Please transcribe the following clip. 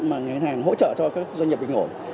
mà ngân hàng hỗ trợ cho doanh nghiệp bình ổn